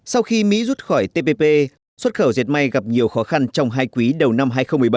sau khi mỹ rút khỏi tpp xuất khẩu dệt may gặp nhiều khó khăn trong hai quý đầu năm hai nghìn một mươi bảy